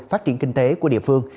phát triển kinh tế của địa phương